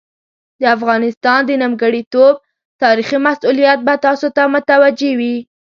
د افغانستان د نیمګړتوب تاریخي مسوولیت به تاسو ته متوجه وي.